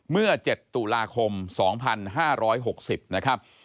เมื่อ๗ตุลาคม๒๕๖๐นะครับ